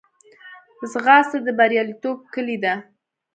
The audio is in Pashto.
ځغاسته د بریالیتوب کلۍ ده